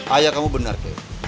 ayah kamu benar kei